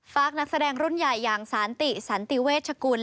นักแสดงรุ่นใหญ่อย่างสานติสันติเวชกุล